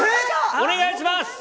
お願いします。